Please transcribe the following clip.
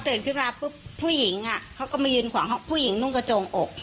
ขึ้นมาปุ๊บผู้หญิงเขาก็มายืนขวางห้องผู้หญิงนุ่งกระโจงอก